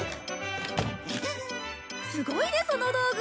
すごいねその道具！